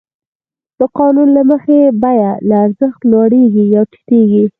د قانون له مخې بیه له ارزښت لوړېږي یا ټیټېږي